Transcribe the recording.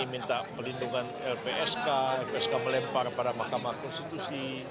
minta pelindungan lpsk lpsk melempar pada mahkamah konstitusi